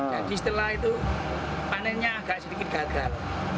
jadi setelah itu panennya agak sedikit gagal